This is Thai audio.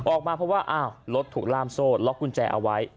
ออกมาเพราะว่าอ้าวรถถูกล่ามโซ่ล็อกกุญแจเอาไว้